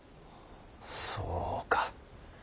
そうか。